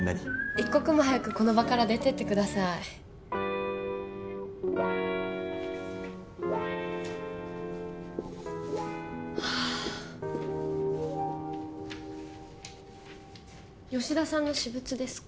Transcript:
一刻も早くこの場から出てってくださいはあ吉田さんの私物ですか？